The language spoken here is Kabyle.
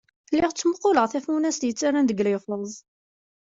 Lliɣ ttmuquleɣ tafunast yettarran deg liffeẓ.